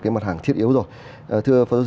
cái mặt hàng thiết yếu rồi thưa phó dư